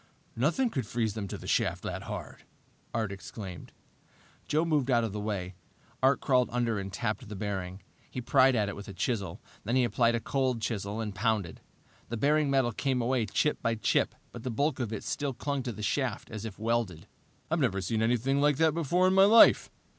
"Nothing could freeze them to the shaft that hard," Art exclaimed. Joe moved out of the way. Art crawled under and tapped the bearing. He pried at it with a chisel. Then he applied a cold chisel and pounded. The bearing metal came away chip by chip, but the bulk of it clung to the shaft as if welded. "I've never seen anything like that before in my life!"